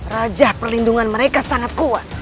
raja perlindungan mereka sangat kuat